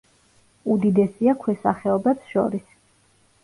უდიდესია ქვესახეობებს შორის.